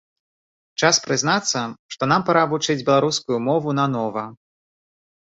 Час прызнацца, што нам пара вучыць беларускую мову нанова.